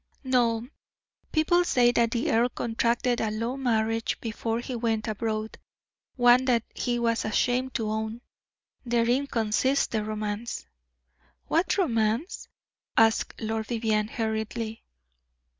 "No. People say that the earl contracted a low marriage before he went abroad, one that he was ashamed to own, therein consists the romance." "What romance?" asked Lord Vivianne, hurriedly.